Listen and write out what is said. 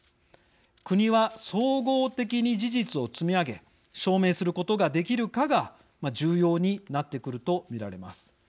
国は総合的に事実を積み上げ証明することができるかが重要になってくると見られます。